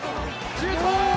シュート！